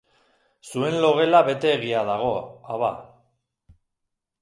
Zuen logela beteegia dago, Ava.